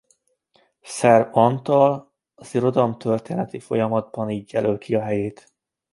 Szerb Antal az irodalomtörténeti folyamatban így jelöli ki helyét.